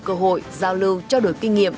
cơ hội giao lưu trao đổi kinh nghiệm